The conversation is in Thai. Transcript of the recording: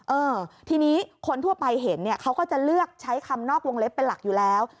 เออทีนี้คนทั่วไปเห็นเนี่ยเขาก็จะเลือกใช้คำนอกวงเล็บเป็นหลักอยู่แล้ว